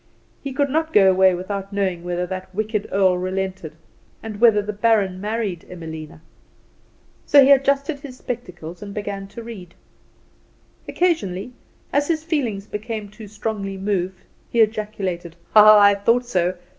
He could not go away without knowing whether that wicked earl relented and whether the baron married Emilina. So he adjusted his spectacles and began to read. Occasionally, as his feelings became too strongly moved, he ejaculated: "Ah, I thought so!